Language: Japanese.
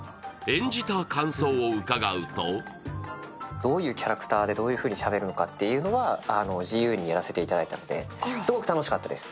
演じた感想を伺うとどういうキャラクターでどういふうにしゃべるかというのは自由にやらせていただいたのですごく楽しかったです。